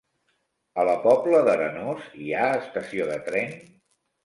A la Pobla d'Arenós hi ha estació de tren?